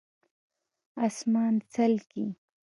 🦇 اسمان څلکي